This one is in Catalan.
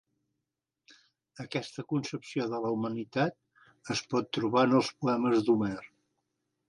Aquesta concepció de la humanitat es pot trobar en els poemes d'Homer.